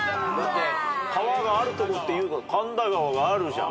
川があるとこっていうから神田川があるじゃん。